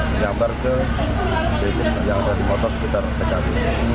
menyebar ke sepeda motor sekitar tkp